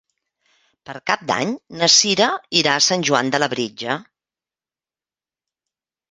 Per Cap d'Any na Cira irà a Sant Joan de Labritja.